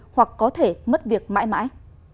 hoặc có thể mất việc mãi mãi